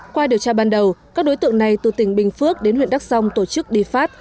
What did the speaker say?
qua điều tra ban đầu các đối tượng này từ tỉnh bình phước đến huyện đắk song tổ chức đi phát